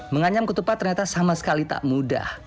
menganyam ketupat ternyata sama sekali tak mudah